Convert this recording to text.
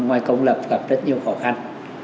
ngoài công lập gặp rất nhiều khó khăn